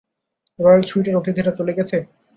Royal সুইটের অতিথিরা চলে গেছে?